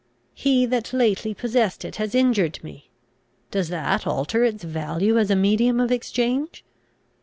He that lately possessed it has injured me; does that alter its value as a medium of exchange?